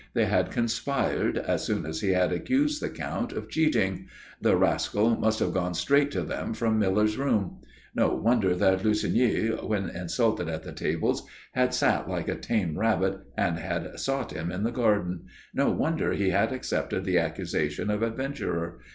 They had conspired, as soon as he had accused the Count of cheating. The rascal must have gone straight to them from Miller's room. No wonder that Lussigny, when insulted at the tables, had sat like a tame rabbit and had sought him in the garden. No wonder he had accepted the accusation of adventurer.